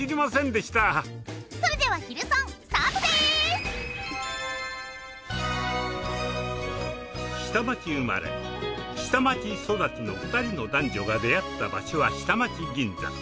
それでは下町生まれ下町育ちの２人の男女が出会った場所は下町銀座。